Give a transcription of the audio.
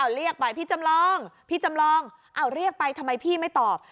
เรียกไปพี่จำลองพี่จำลองเรียกไปทำไมพี่ไม่ตอบ